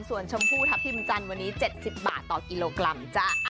ส่วนชมพูทัพทิมจันทร์วันนี้๗๐บาทต่อกิโลกรัมจ้ะ